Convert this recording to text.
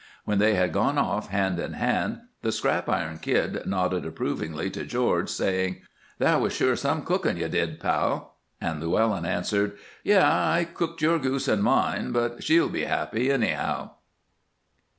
When they had gone off, hand in hand, the Scrap Iron Kid nodded approvingly to George, saying, "That was sure some cookin' you did, pal." And Llewellyn answered, "Yes, I cooked your goose and mine, but she'll be happy, anyhow."